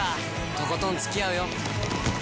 とことんつきあうよ！